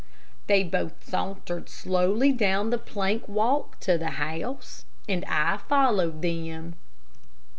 They both sauntered slowly down the plank walk to the house, and I followed them.